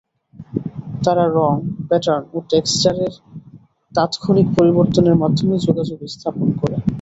তারা রঙ, প্যাটার্ন ও টেক্সচারের তাত্ক্ষণিক পরিবর্তনের মাধ্যমে যোগাযোগ স্থাপন করে।